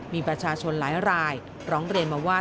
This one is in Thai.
มีประชาชนหลายรายร้องเรียนมาว่า